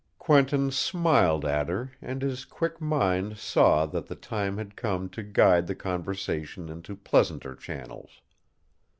Quentin smiled at her and his quick mind saw that the time had come to guide the conversation into pleasanter channels.